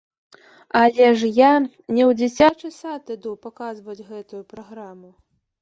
Але я ж не ў дзіцячы сад іду паказваць гэтую праграму.